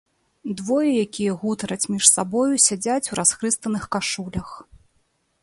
Двое, якія гутараць між сабою, сядзяць у расхрыстаных кашулях.